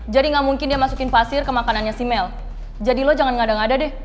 jadi nggak mungkin dia masukin pasir ke makanannya si mel jadi lo jangan ngada ngada deh